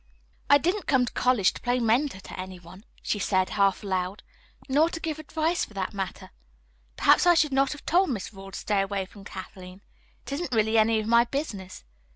"I didn't come to college to play mentor to any one," she said, half aloud, "nor to give advice, for that matter. Perhaps I should not have told Miss Rawle to stay away from Kathleen. It isn't really any of my business.